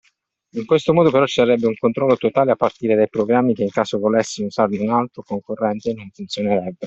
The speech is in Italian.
In questo modo però ci sarebbe un controllo totale a partire dai programmi che in caso volessimo usarne un altro (concorrente) non funzionerebbe.